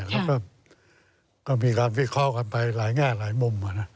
แล้วก็มีการวิเคราะห์กันไปหลายแง่หลายมุม